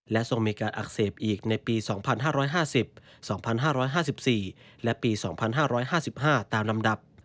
ทรงมีการอักเสบอีกในปี๒๕๕๐๒๕๕๔และปี๒๕๕๕ตามลำดับ